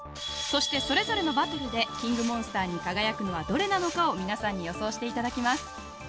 そしてそれぞれのバトルでＫＩＮＧモンスターに輝くのはどれなのかを皆さんに予想していただきます